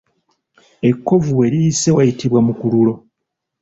Ekkovu we liyise wayitibwa mukululo.